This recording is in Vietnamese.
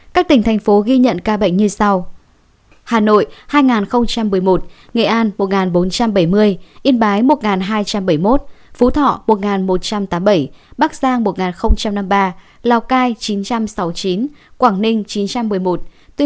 các tỉnh thành phố ghi nhận ca bệnh như sau